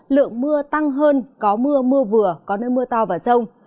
lượng mưa tăng hơn có mưa mưa vừa có nơi mưa to và rông